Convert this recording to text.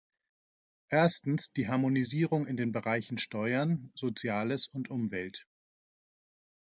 Erstens die Harmonisierung in den Bereichen Steuern, Soziales und Umwelt.